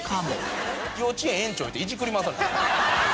「幼稚園園長」言うていじくり回された。